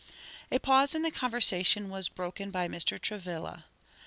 A pause in the conversation was broken by Mr. Travilla.